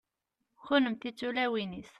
kunemti d tulawin-is